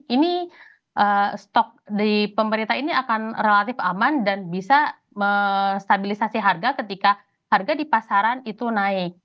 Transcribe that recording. ini stok dari pemerintah ini akan relatif aman dan bisa stabilisasi harga ketika harga di pasaran itu naik